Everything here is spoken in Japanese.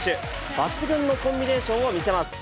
抜群のコンビネーションを見せます。